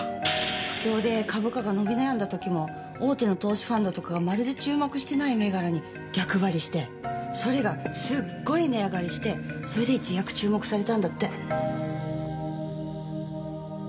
不況で株価が伸び悩んだ時も大手の投資ファンドとかがまるで注目してない銘柄に逆張りしてそれがすっごい値上がりしてそれで一躍注目されたんだって。